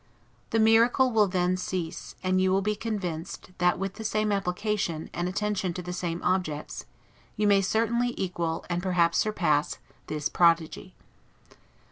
The miracle will then cease; and you will be convinced, that with the same application, and attention to the same objects, you may most certainly equal, and perhaps surpass, this prodigy.